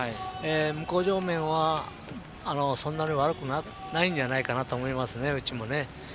向正面は、そんなに悪くないんじゃないかなと思いますね、内もね。